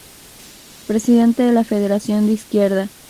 Presidente de la Federación de Izquierda.